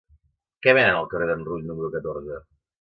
Què venen al carrer d'en Rull número catorze?